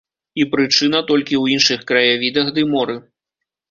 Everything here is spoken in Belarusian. І прычына толькі ў іншых краявідах ды моры.